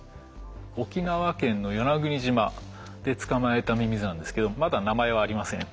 沖縄県の与那国島で捕まえたミミズなんですけどまだ名前はありません。